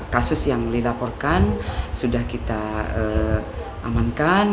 kasus yang dilaporkan sudah kita amankan